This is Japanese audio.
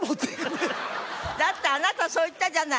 だってあなたそう言ったじゃない。